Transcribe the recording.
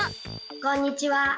こんにちは。